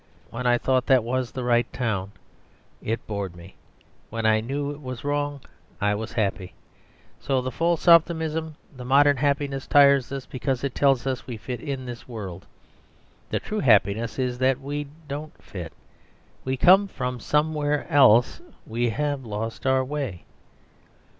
When I thought that was the right town, it bored me; when I knew it was wrong, I was happy. So the false optimism, the modern happiness, tires us because it tells us we fit into this world. The true happiness is that we don't fit. We come from somewhere else. We have lost our way."